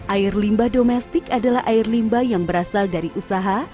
air limbah domestik adalah air limba yang berasal dari usaha